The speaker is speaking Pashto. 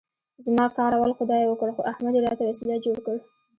زما کار اول خدای وکړ، خو احمد یې راته وسیله جوړ کړ.